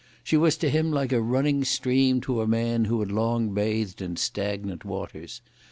She was to him like a running stream to a man who had long bathed in stagnant waters.